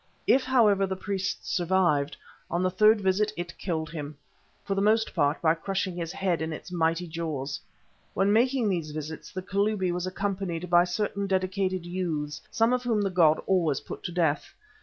If, however, the priest survived, on the third visit it killed him, for the most part by crushing his head in its mighty jaws. When making these visits the Kalubi was accompanied by certain dedicated youths, some of whom the god always put to death.